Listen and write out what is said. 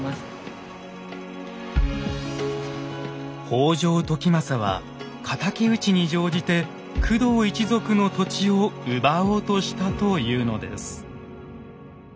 北条時政は敵討ちに乗じて工藤一族の土地を奪おうとしたというのです。